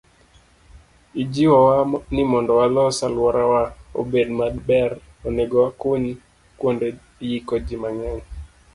Ijiwowa ni mondo walos alworawa obed maber, onego wakuny kuonde yiko ji mang'eny.